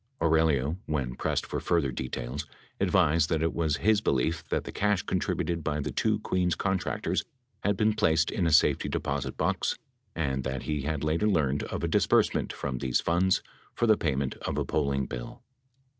Aurelio, when pressed for further details, advised that it was his belief that the cash contributed by the two Queens contractors had been placed in a safety deposit box and that he had later learned of a disbursement from these funds for the payment of a polling bill.